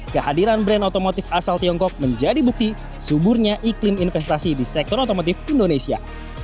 kehadiran brand otomotif asal tiongkok menjadi bukti suburnya iklim investasi di sektor otomotif indonesia